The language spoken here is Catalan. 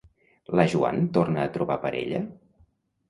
La Joan torna a trobar parella?